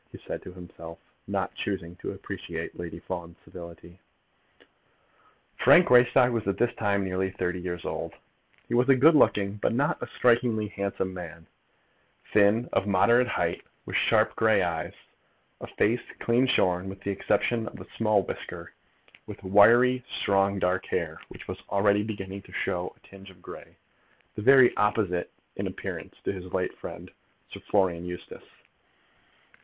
he said to himself, not choosing to appreciate Lady Fawn's civility. Frank Greystock was at this time nearly thirty years old. He was a good looking, but not strikingly handsome man; thin, of moderate height, with sharp grey eyes, a face clean shorn with the exception of a small whisker, with wiry, strong dark hair, which was already beginning to show a tinge of grey; the very opposite in appearance to his late friend Sir Florian Eustace.